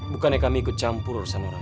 bukannya kami ikut campur urusan orang